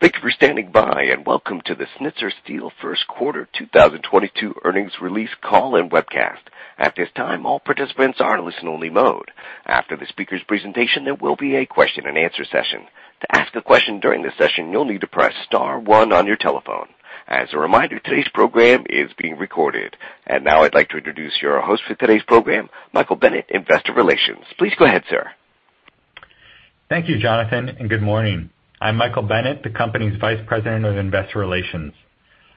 Thank you for standing by, and welcome to the Schnitzer Steel First Quarter 2022 Earnings Release Call and Webcast. At this time, all participants are in listen-only mode. After the speaker's presentation, there will be a question-and-answer session. To ask a question during this session, you'll need to press star one on your telephone. As a reminder, today's program is being recorded. Now I'd like to introduce your host for today's program, Michael Bennett, Investor Relations. Please go ahead, sir. Thank you, Jonathan, and good morning. I'm Michael Bennett, the company's Vice President of Investor Relations.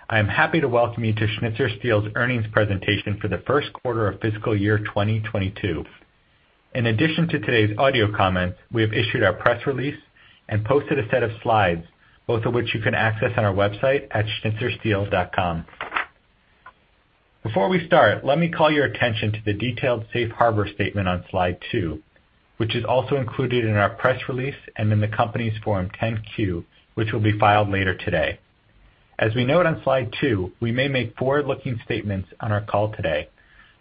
I am happy to welcome you to Schnitzer Steel's earnings presentation for the first quarter of fiscal year 2022. In addition to today's audio comments, we have issued our press release and posted a set of slides, both of which you can access on our website at schnitzersteel.com. Before we start, let me call your attention to the detailed safe harbor statement on slide two, which is also included in our press release and in the company's Form 10-Q, which will be filed later today. As we note on slide two, we may make forward-looking statements on our call today,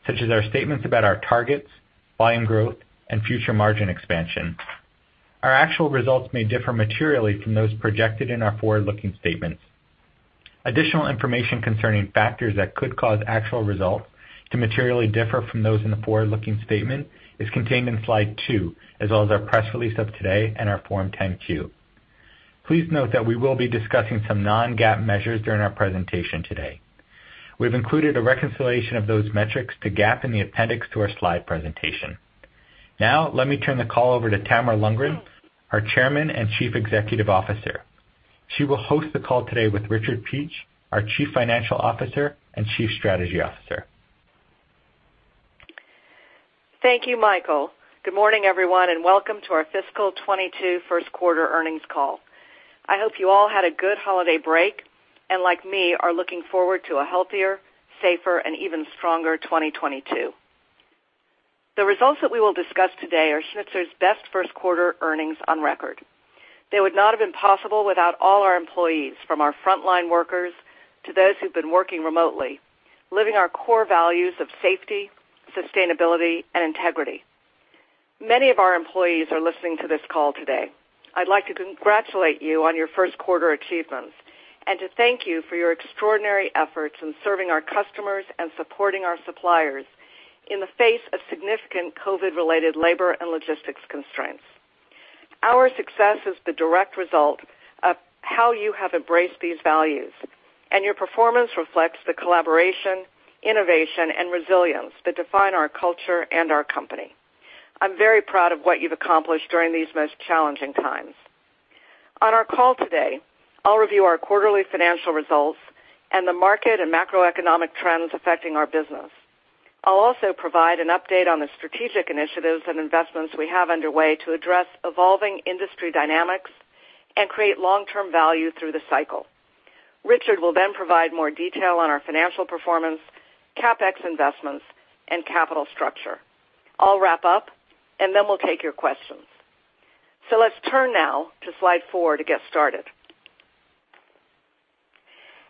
such as our statements about our targets, volume growth, and future margin expansion. Our actual results may differ materially from those projected in our forward-looking statements. Additional information concerning factors that could cause actual results to materially differ from those in the forward-looking statement is contained in slide two, as well as our press release of today and our Form 10-Q. Please note that we will be discussing some non-GAAP measures during our presentation today. We've included a reconciliation of those metrics to GAAP in the appendix to our slide presentation. Now, let me turn the call over to Tamara Lundgren, our Chairman and Chief Executive Officer. She will host the call today with Richard Peach, our Chief Financial Officer and Chief Strategy Officer. Thank you, Michael. Good morning, everyone, and welcome to our fiscal 2022 first quarter earnings call. I hope you all had a good holiday break, and like me, are looking forward to a healthier, safer, and even stronger 2022. The results that we will discuss today are Schnitzer's best first quarter earnings on record. They would not have been possible without all our employees, from our frontline workers to those who've been working remotely, living our core values of safety, sustainability, and integrity. Many of our employees are listening to this call today. I'd like to congratulate you on your first quarter achievements and to thank you for your extraordinary efforts in serving our customers and supporting our suppliers in the face of significant COVID-related labor and logistics constraints. Our success is the direct result of how you have embraced these values, and your performance reflects the collaboration, innovation, and resilience that define our culture and our company. I'm very proud of what you've accomplished during these most challenging times. On our call today, I'll review our quarterly financial results and the market and macroeconomic trends affecting our business. I'll also provide an update on the strategic initiatives and investments we have underway to address evolving industry dynamics and create long-term value through the cycle. Richard will then provide more detail on our financial performance, CapEx investments, and capital structure. I'll wrap up, and then we'll take your questions. Let's turn now to slide four to get started.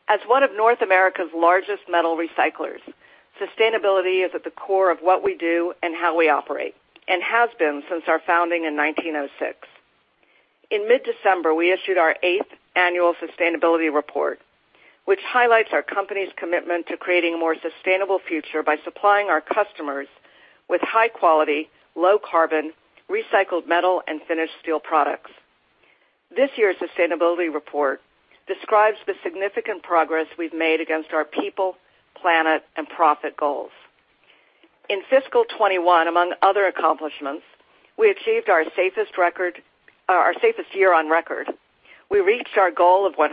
As one of North America's largest metal recyclers, sustainability is at the core of what we do and how we operate, and has been since our founding in 1906. In mid-December, we issued our eighth annual sustainability report, which highlights our company's commitment to creating a more sustainable future by supplying our customers with high-quality, low-carbon recycled metal and finished steel products. This year's sustainability report describes the significant progress we've made against our people, planet, and profit goals. In fiscal 2021, among other accomplishments, we achieved our safest year on record. We reached our goal of 100%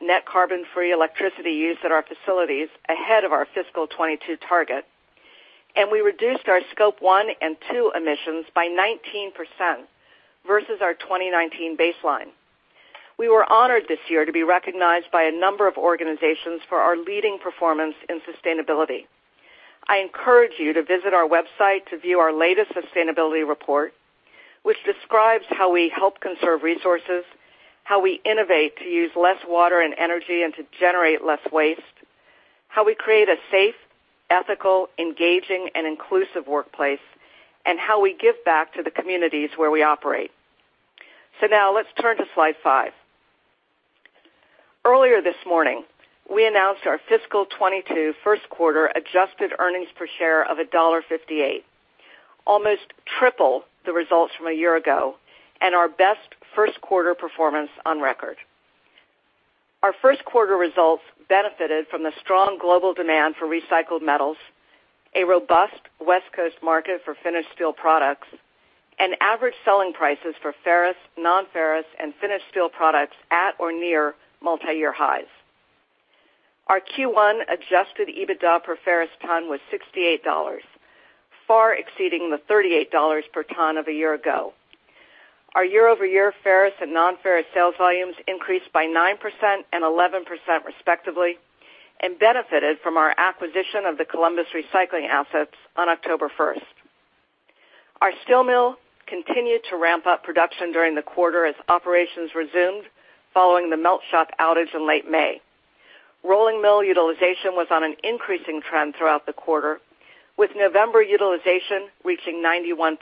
net carbon-free electricity use at our facilities ahead of our fiscal 2022 target, and we reduced our scope one and two emissions by 19% versus our 2019 baseline. We were honored this year to be recognized by a number of organizations for our leading performance in sustainability. I encourage you to visit our website to view our latest sustainability report, which describes how we help conserve resources, how we innovate to use less water and energy and to generate less waste, how we create a safe, ethical, engaging, and inclusive workplace, and how we give back to the communities where we operate. Now let's turn to slide five. Earlier this morning, we announced our fiscal 2022 first quarter adjusted earnings per share of $1.58, almost triple the results from a year ago and our best first quarter performance on record. Our first quarter results benefited from the strong global demand for recycled metals, a robust West Coast market for finished steel products, and average selling prices for ferrous, non-ferrous, and finished steel products at or near multiyear highs. Our Q1 adjusted EBITDA per ferrous ton was $68, far exceeding the $38 per ton of a year ago. Our year-over-year ferrous and non-ferrous sales volumes increased by 9% and 11%, respectively, and benefited from our acquisition of the Columbus Recycling assets on October 1. Our steel mill continued to ramp up production during the quarter as operations resumed following the melt shop outage in late May. Rolling mill utilization was on an increasing trend throughout the quarter, with November utilization reaching 91%.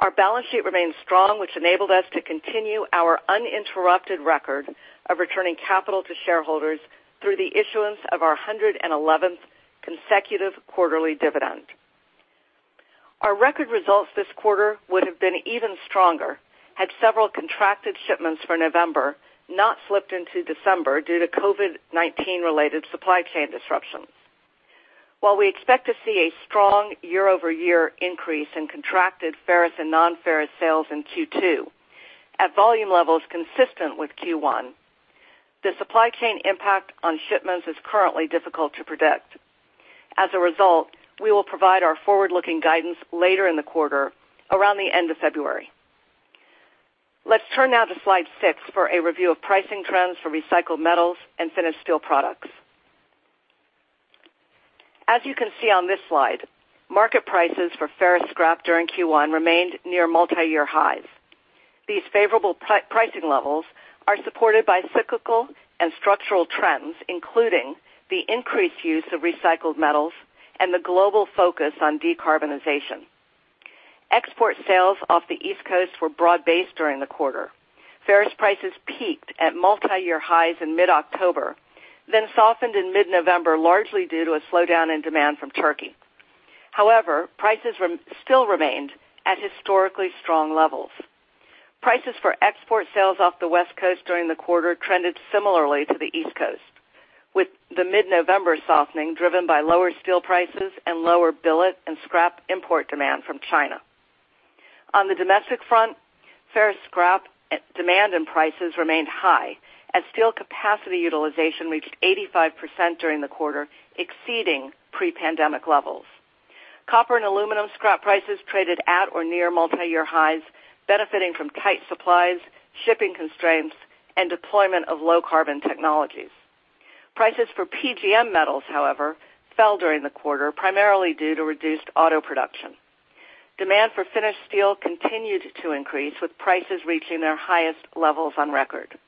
Our balance sheet remains strong, which enabled us to continue our uninterrupted record of returning capital to shareholders through the issuance of our 111th consecutive quarterly dividend. Our record results this quarter would have been even stronger had several contracted shipments for November not slipped into December due to COVID-19 related supply chain disruptions. While we expect to see a strong year-over-year increase in contracted ferrous and non-ferrous sales in Q2 at volume levels consistent with Q1, the supply chain impact on shipments is currently difficult to predict. As a result, we will provide our forward-looking guidance later in the quarter around the end of February. Let's turn now to slide six for a review of pricing trends for recycled metals and finished steel products. As you can see on this slide, market prices for ferrous scrap during Q1 remained near multi-year highs. These favorable pricing levels are supported by cyclical and structural trends, including the increased use of recycled metals and the global focus on decarbonization. Export sales off the East Coast were broad-based during the quarter. Ferrous prices peaked at multi-year highs in mid-October, then softened in mid-November, largely due to a slowdown in demand from Turkey. However, prices still remained at historically strong levels. Prices for export sales off the West Coast during the quarter trended similarly to the East Coast, with the mid-November softening driven by lower steel prices and lower billet and scrap import demand from China. On the domestic front, ferrous scrap demand and prices remained high as steel capacity utilization reached 85% during the quarter, exceeding pre-pandemic levels. Copper and aluminum scrap prices traded at or near multi-year highs, benefiting from tight supplies, shipping constraints, and deployment of low carbon technologies. Prices for PGM metals, however, fell during the quarter, primarily due to reduced auto production. Demand for finished steel continued to increase, with prices reaching their highest levels on record.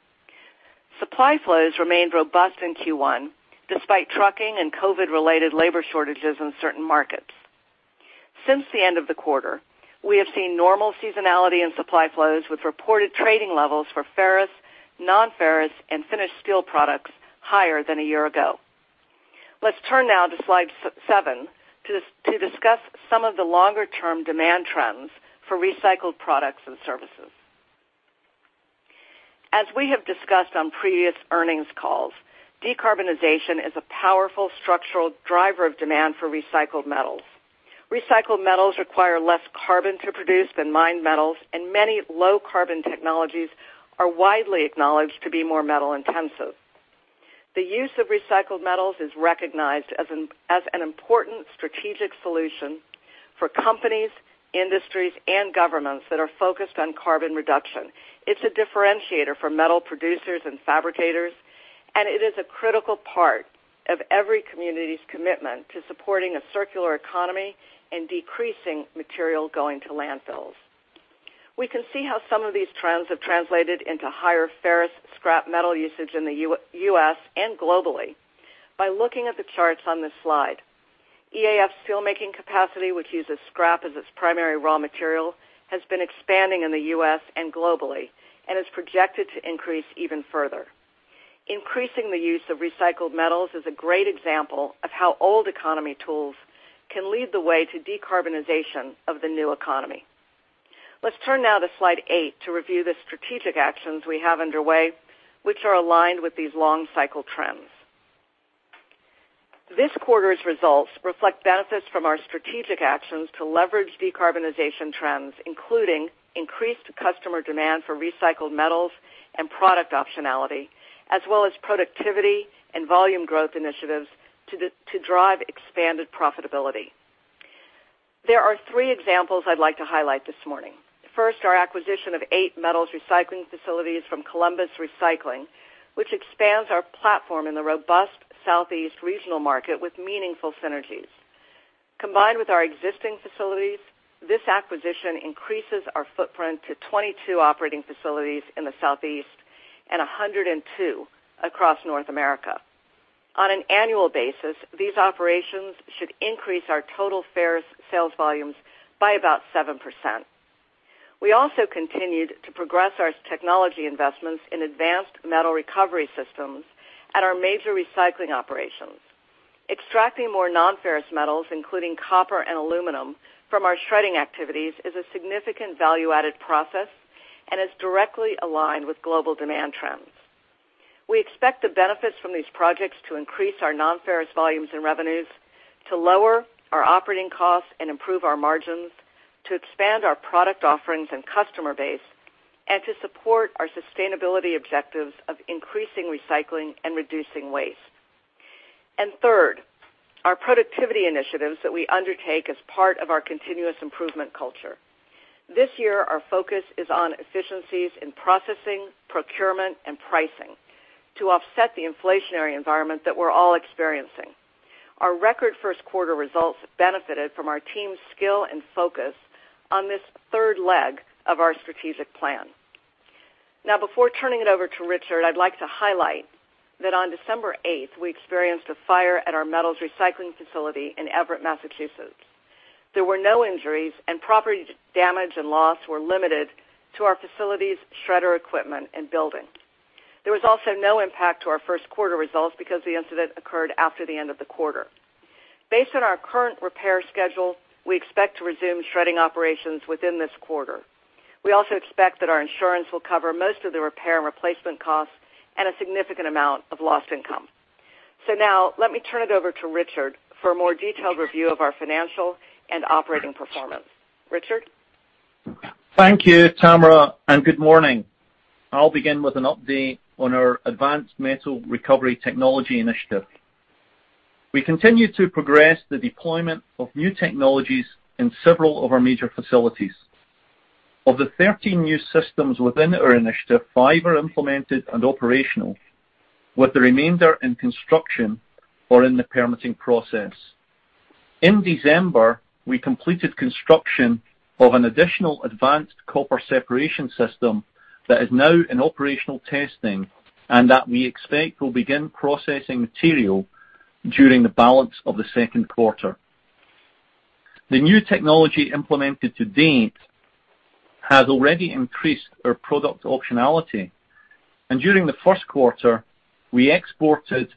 Supply flows remained robust in Q1 despite trucking and COVID-related labor shortages in certain markets. Since the end of the quarter, we have seen normal seasonality in supply flows, with reported trading levels for ferrous, non-ferrous, and finished steel products higher than a year ago. Let's turn now to slide seven to discuss some of the longer-term demand trends for recycled products and services. As we have discussed on previous earnings calls, decarbonization is a powerful structural driver of demand for recycled metals. Recycled metals require less carbon to produce than mined metals, and many low carbon technologies are widely acknowledged to be more metal intensive. The use of recycled metals is recognized as an important strategic solution for companies, industries, and governments that are focused on carbon reduction. It's a differentiator for metal producers and fabricators, and it is a critical part of every community's commitment to supporting a circular economy and decreasing material going to landfills. We can see how some of these trends have translated into higher ferrous scrap metal usage in the U.S. and globally by looking at the charts on this slide. EAF's steelmaking capacity, which uses scrap as its primary raw material, has been expanding in the U.S. and globally and is projected to increase even further. Increasing the use of recycled metals is a great example of how old economy tools can lead the way to decarbonization of the new economy. Let's turn now to slide eight to review the strategic actions we have underway, which are aligned with these long cycle trends. This quarter's results reflect benefits from our strategic actions to leverage decarbonization trends, including increased customer demand for recycled metals and product optionality, as well as productivity and volume growth initiatives to drive expanded profitability. There are three examples I'd like to highlight this morning. First, our acquisition of eight metals recycling facilities from Columbus Recycling, which expands our platform in the robust Southeast regional market with meaningful synergies. Combined with our existing facilities, this acquisition increases our footprint to 22 operating facilities in the Southeast and 102 across North America. On an annual basis, these operations should increase our total ferrous sales volumes by about 7%. We also continued to progress our technology investments in advanced metal recovery systems at our major recycling operations. Extracting more non-ferrous metals, including copper and aluminum, from our shredding activities is a significant value-added process and is directly aligned with global demand trends. We expect the benefits from these projects to increase our non-ferrous volumes and revenues, to lower our operating costs and improve our margins, to expand our product offerings and customer base, and to support our sustainability objectives of increasing recycling and reducing waste. Third, our productivity initiatives that we undertake as part of our continuous improvement culture. This year our focus is on efficiencies in processing, procurement, and pricing to offset the inflationary environment that we're all experiencing. Our record first quarter results benefited from our team's skill and focus on this third leg of our strategic plan. Now, before turning it over to Richard, I'd like to highlight that on December 8, we experienced a fire at our metals recycling facility in Everett, Massachusetts. There were no injuries, and property damage and loss were limited to our facility's shredder equipment and building. There was also no impact to our first quarter results because the incident occurred after the end of the quarter. Based on our current repair schedule, we expect to resume shredding operations within this quarter. We also expect that our insurance will cover most of the repair and replacement costs and a significant amount of lost income. Now let me turn it over to Richard for a more detailed review of our financial and operating performance. Richard? Thank you, Tamara, and good morning. I'll begin with an update on our advanced metal recovery technology initiative. We continue to progress the deployment of new technologies in several of our major facilities. Of the 13 new systems within our initiative, five are implemented and operational, with the remainder in construction or in the permitting process. In December, we completed construction of an additional advanced copper separation system that is now in operational testing, and that we expect will begin processing material during the balance of the second quarter. The new technology implemented to date has already increased our product optionality, and during the first quarter, we exported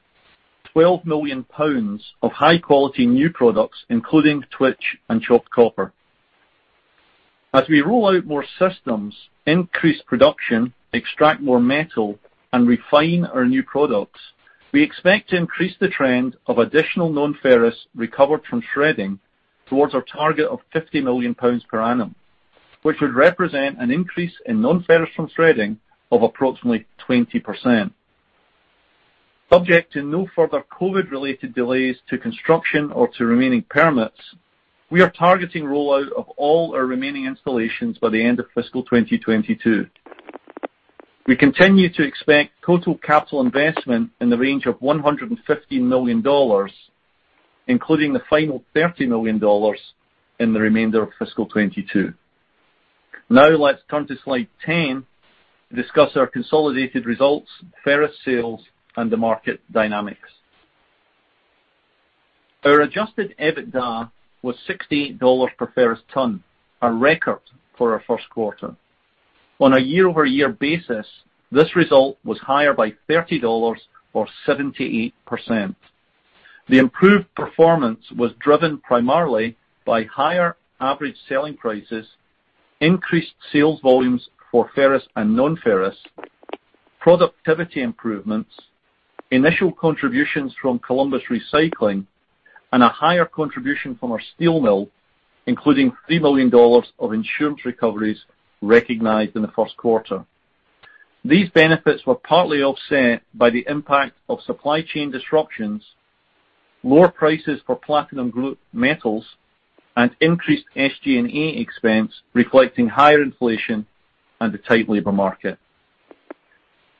12 million pounds of high-quality new products, including Twitch and chopped copper. As we roll out more systems, increase production, extract more metal, and refine our new products, we expect to increase the trend of additional nonferrous recovered from shredding towards our target of 50 million pounds per annum, which would represent an increase in nonferrous from shredding of approximately 20%. Subject to no further COVID-related delays to construction or to remaining permits, we are targeting rollout of all our remaining installations by the end of fiscal 2022. We continue to expect total capital investment in the range of $150 million, including the final $30 million in the remainder of fiscal 2022. Now let's turn to slide 10 to discuss our consolidated results, ferrous sales, and the market dynamics. Our adjusted EBITDA was $68 per ferrous ton, a record for our first quarter. On a year-over-year basis, this result was higher by $30 or 78%. The improved performance was driven primarily by higher average selling prices, increased sales volumes for ferrous and nonferrous, productivity improvements, initial contributions from Columbus Recycling, and a higher contribution from our steel mill, including $3 million of insurance recoveries recognized in the first quarter. These benefits were partly offset by the impact of supply chain disruptions, lower prices for platinum group metals, and increased SG&A expense, reflecting higher inflation and a tight labor market.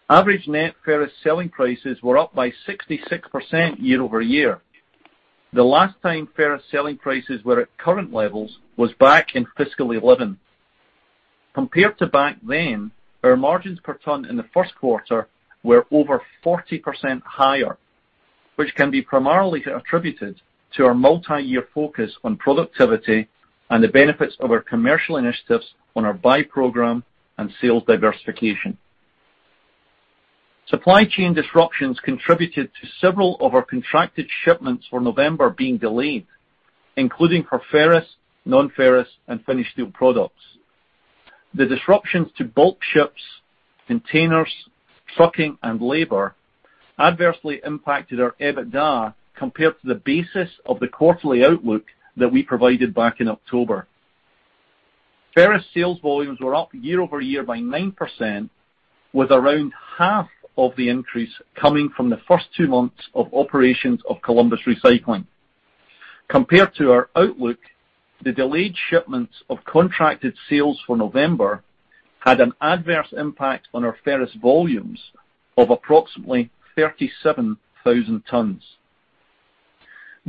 Average net ferrous selling prices were up by 66% year over year. The last time ferrous selling prices were at current levels was back in fiscal 2011. Compared to back then, our margins per ton in the first quarter were over 40% higher, which can be primarily attributed to our multi-year focus on productivity and the benefits of our commercial initiatives on our buy program and sales diversification. Supply chain disruptions contributed to several of our contracted shipments for November being delayed, including for ferrous, nonferrous, and finished steel products. The disruptions to bulk ships, containers, trucking, and labor adversely impacted our EBITDA compared to the basis of the quarterly outlook that we provided back in October. Ferrous sales volumes were up year-over-year by 9%, with around half of the increase coming from the first two months of operations of Columbus Recycling. Compared to our outlook, the delayed shipments of contracted sales for November had an adverse impact on our ferrous volumes of approximately 37,000 tons.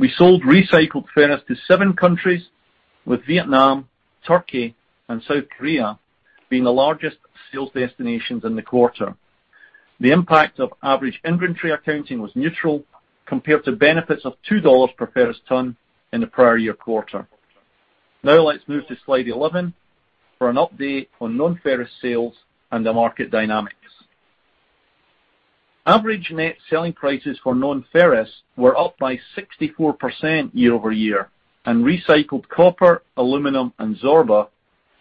We sold recycled ferrous to seven countries, with Vietnam, Turkey, and South Korea being the largest sales destinations in the quarter. The impact of average inventory accounting was neutral compared to benefits of $2 per ferrous ton in the prior year quarter. Now let's move to slide 11 for an update on non-ferrous sales and the market dynamics. Average net selling prices for non-ferrous were up by 64% year-over-year, and recycled copper, aluminum, and Zorba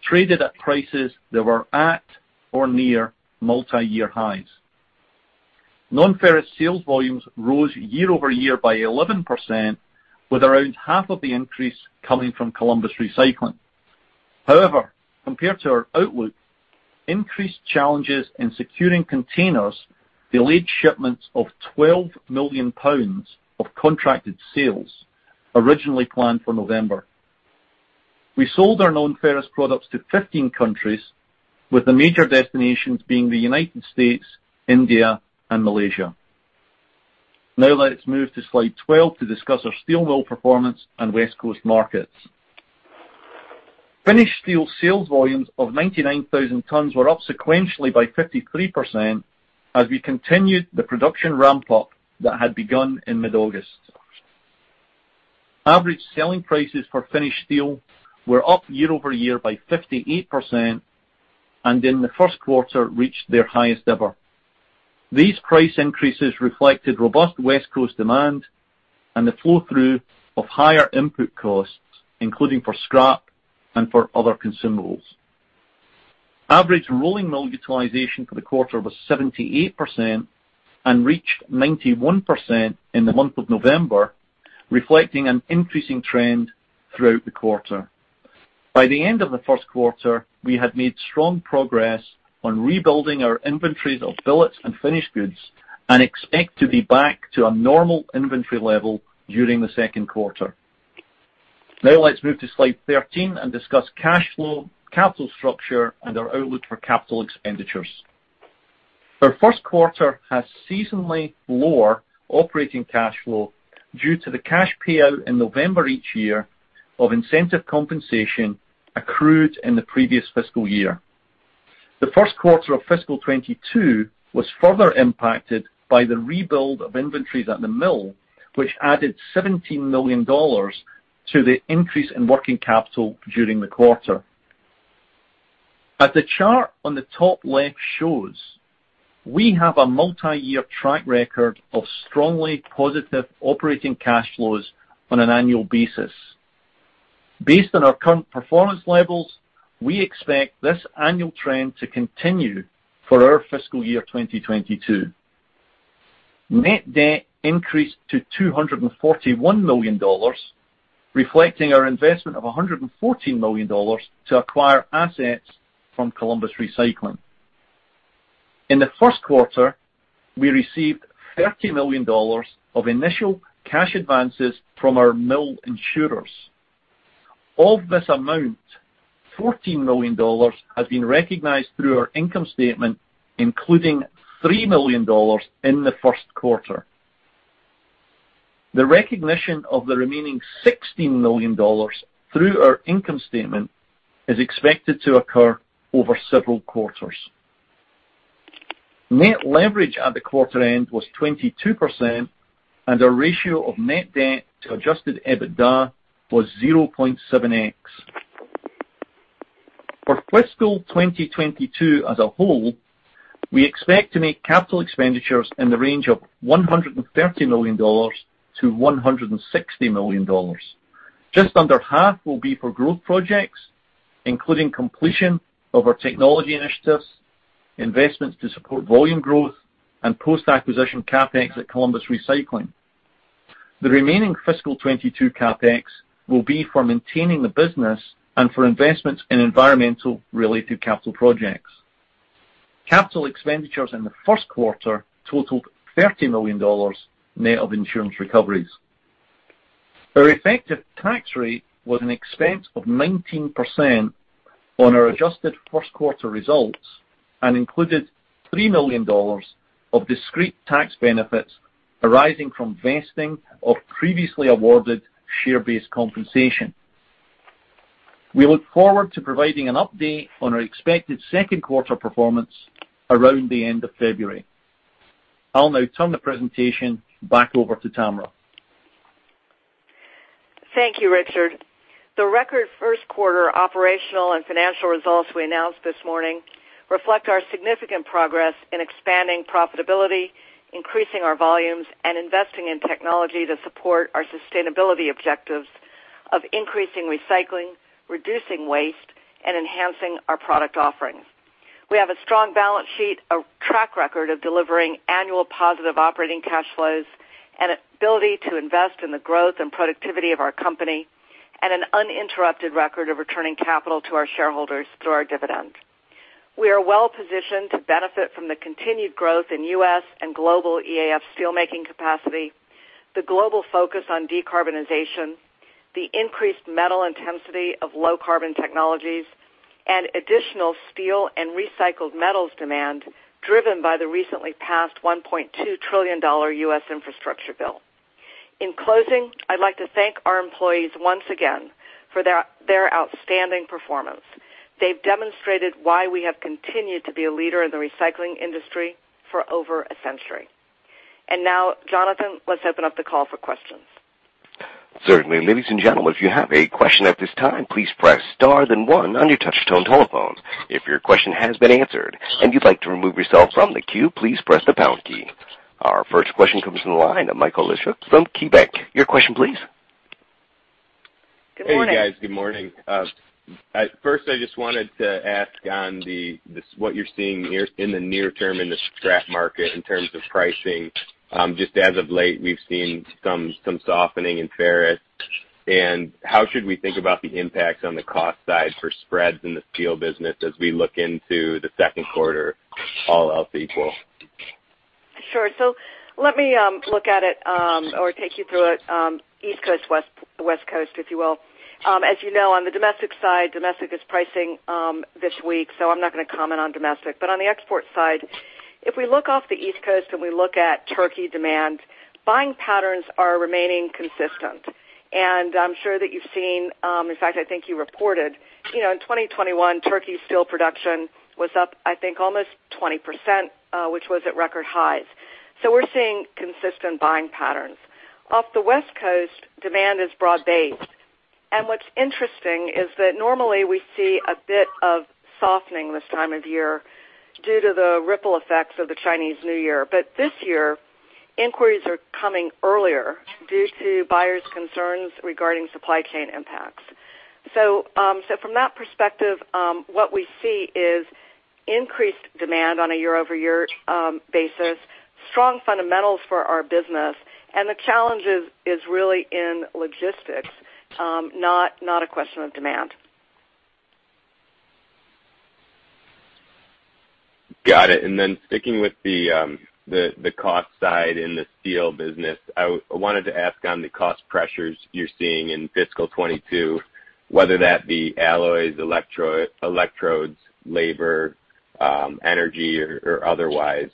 traded at prices that were at or near multiyear highs. Non-ferrous sales volumes rose year-over-year by 11%, with around half of the increase coming from Columbus Recycling. However, compared to our outlook, increased challenges in securing containers delayed shipments of 12 million pounds of contracted sales originally planned for November. We sold our non-ferrous products to 15 countries, with the major destinations being the United States, India, and Malaysia. Now let's move to slide 12 to discuss our steel mill performance and West Coast markets. Finished steel sales volumes of 99,000 tons were up sequentially by 53% as we continued the production ramp-up that had begun in mid-August. Average selling prices for finished steel were up year over year by 58%, and in the first quarter reached their highest ever. These price increases reflected robust West Coast demand and the flow-through of higher input costs, including for scrap and for other consumables. Average rolling mill utilization for the quarter was 78% and reached 91% in the month of November, reflecting an increasing trend throughout the quarter. By the end of the first quarter, we had made strong progress on rebuilding our inventories of billets and finished goods, and expect to be back to a normal inventory level during the second quarter. Now let's move to slide 13 and discuss cash flow, capital structure, and our outlook for capital expenditures. Our first quarter has seasonally lower operating cash flow due to the cash payout in November each year of incentive compensation accrued in the previous fiscal year. The first quarter of fiscal 2022 was further impacted by the rebuild of inventories at the mill, which added $17 million to the increase in working capital during the quarter. As the chart on the top left shows, we have a multiyear track record of strongly positive operating cash flows on an annual basis. Based on our current performance levels, we expect this annual trend to continue for our fiscal year 2022. Net debt increased to $241 million, reflecting our investment of $114 million to acquire assets from Columbus Recycling. In the first quarter, we received $30 million of initial cash advances from our mill insurers. Of this amount, $14 million has been recognized through our income statement, including $3 million in the first quarter. The recognition of the remaining $16 million through our income statement is expected to occur over several quarters. Net leverage at the quarter end was 22%, and our ratio of net debt to adjusted EBITDA was 0.7x. For fiscal 2022 as a whole, we expect to make capital expenditures in the range of $130 million-$160 million. Just under half will be for growth projects, including completion of our technology initiatives, investments to support volume growth, and post-acquisition CapEx at Columbus Recycling. The remaining fiscal 2022 CapEx will be for maintaining the business and for investments in environmental-related capital projects. Capital expenditures in the first quarter totaled $30 million net of insurance recoveries. Our effective tax rate was an expense of 19% on our adjusted first quarter results and included $3 million of discrete tax benefits arising from vesting of previously awarded share-based compensation. We look forward to providing an update on our expected second quarter performance around the end of February. I'll now turn the presentation back over to Tamara. Thank you, Richard. The record first quarter operational and financial results we announced this morning reflect our significant progress in expanding profitability, increasing our volumes, and investing in technology to support our sustainability objectives of increasing recycling, reducing waste, and enhancing our product offerings. We have a strong balance sheet, a track record of delivering annual positive operating cash flows, an ability to invest in the growth and productivity of our company, and an uninterrupted record of returning capital to our shareholders through our dividends. We are well positioned to benefit from the continued growth in U.S. and global EAF steelmaking capacity, the global focus on decarbonization, the increased metal intensity of low carbon technologies, and additional steel and recycled metals demand driven by the recently passed $1.2 trillion U.S. infrastructure bill. In closing, I'd like to thank our employees once again for their outstanding performance. They've demonstrated why we have continued to be a leader in the recycling industry for over a century. Now, Jonathan, let's open up the call for questions. Certainly. Ladies and gentlemen, if you have a question at this time, please press star then one on your touch tone telephones. If your question has been answered and you'd like to remove yourself from the queue, please press the pound key. Our first question comes from the line of Michael Leshock from KeyBanc. Your question please. Good morning. Hey, guys. Good morning. First, I just wanted to ask on what you're seeing in the near term in the scrap market in terms of pricing. Just as of late, we've seen some softening in ferrous. How should we think about the impacts on the cost side for spreads in the steel business as we look into the second quarter, all else equal? Sure. Let me look at it or take you through it, East Coast, West Coast, if you will. As you know, on the domestic side, domestic pricing this week, so I'm not gonna comment on domestic. On the export side, if we look off the East Coast and we look at Turkey demand, buying patterns are remaining consistent. I'm sure that you've seen, in fact, I think you reported, you know, in 2021, Turkey steel production was up, I think, almost 20%, which was at record highs. We're seeing consistent buying patterns. Off the West Coast, demand is broad-based. What's interesting is that normally we see a bit of softening this time of year due to the ripple effects of the Chinese New Year. This year, inquiries are coming earlier due to buyers' concerns regarding supply chain impacts. From that perspective, what we see is increased demand on a year-over-year basis, strong fundamentals for our business, and the challenge is really in logistics, not a question of demand. Got it. Sticking with the cost side in the steel business, I wanted to ask on the cost pressures you're seeing in fiscal 2022, whether that be alloys, electrodes, labor, energy or otherwise.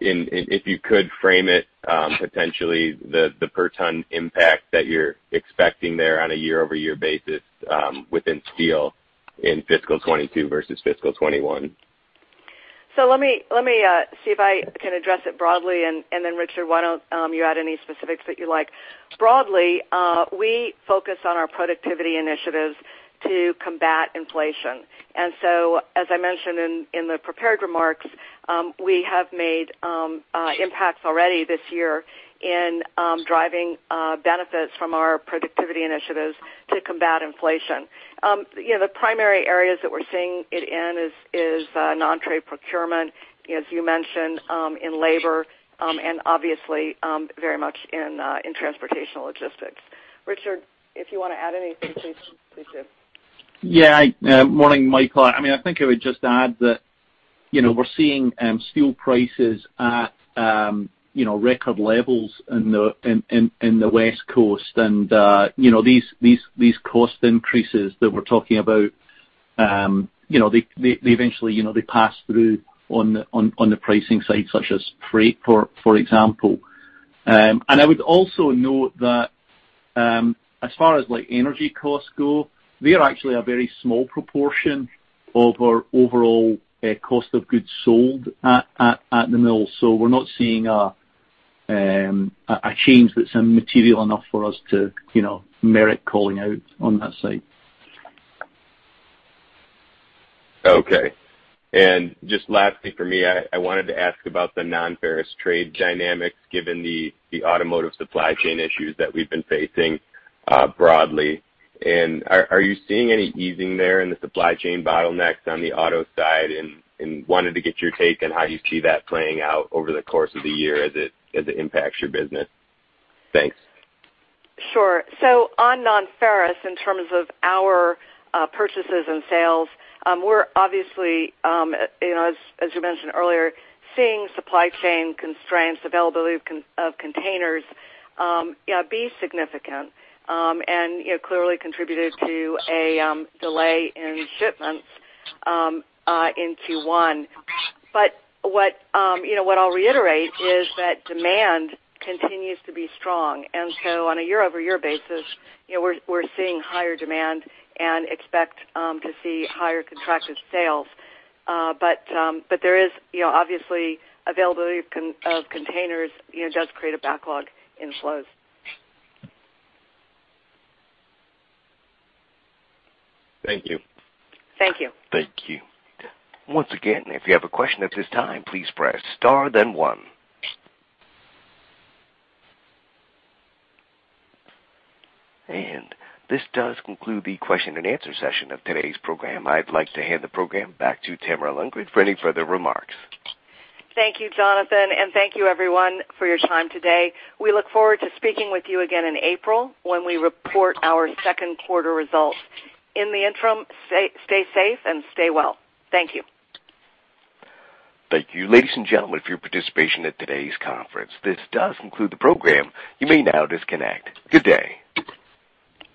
If you could frame it, potentially the per ton impact that you're expecting there on a year-over-year basis, within steel in fiscal 2022 versus fiscal 2021. Let me see if I can address it broadly, and then Richard, why don't you add any specifics that you like. Broadly, we focus on our productivity initiatives to combat inflation. As I mentioned in the prepared remarks, we have made impacts already this year in driving benefits from our productivity initiatives to combat inflation. You know, the primary areas that we're seeing it in is non-trade procurement, as you mentioned, in labor, and obviously very much in transportation logistics. Richard, if you wanna add anything, please do. Yeah. Morning, Michael. I mean, I think I would just add that, you know, we're seeing steel prices at, you know, record levels in the West Coast. You know, these cost increases that we're talking about, you know, they eventually, you know, they pass through on the pricing side, such as freight, for example. I would also note that, as far as, like, energy costs go, they're actually a very small proportion of our overall cost of goods sold at the mill. We're not seeing a change that's material enough for us to, you know, merit calling out on that side. Okay. Just lastly for me, I wanted to ask about the non-ferrous trade dynamics, given the automotive supply chain issues that we've been facing, broadly. Are you seeing any easing there in the supply chain bottlenecks on the auto side? I wanted to get your take on how you see that playing out over the course of the year as it impacts your business. Thanks. Sure. On non-ferrous, in terms of our purchases and sales, we're obviously, you know, as you mentioned earlier, seeing supply chain constraints, availability constraints of containers, yeah, being significant, and, you know, clearly contributed to a delay in shipments in Q1. What I'll reiterate is that demand continues to be strong. On a year-over-year basis, you know, we're seeing higher demand and expect to see higher contracted sales. There is, you know, obviously availability constraints of containers, you know, does create a backlog in flows. Thank you. Thank you. Thank you. Once again, if you have a question at this time, please press star then one. This does conclude the question-and-answer session of today's program. I'd like to hand the program back to Tamara Lundgren for any further remarks. Thank you, Jonathan, and thank you everyone for your time today. We look forward to speaking with you again in April when we report our second quarter results. In the interim, stay safe and stay well. Thank you. Thank you, ladies and gentlemen, for your participation at today's conference. This does conclude the program. You may now disconnect. Good day.